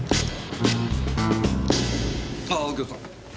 あぁ右京さん。